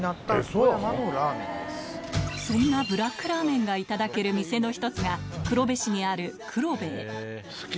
そんなブラックラーメンがいただける店の１つが黒部市にあるくろべぇ